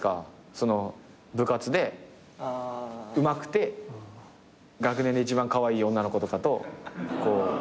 その部活でうまくて学年で一番カワイイ女の子とかとこう。